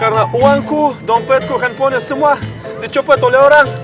karena uangku dompetku handphonenya semua dicoba oleh orang